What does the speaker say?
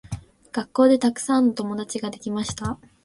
学校でたくさん友達ができました。